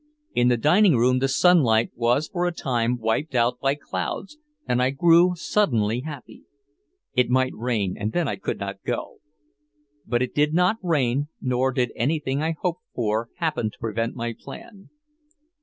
In the dining room the sunlight was for a time wiped out by clouds, and I grew suddenly happy. It might rain and then I could not go. But it did not rain nor did anything I hoped for happen to prevent my plan.